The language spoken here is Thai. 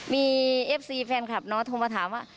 มีแฟนคลับโทรมาถามว่า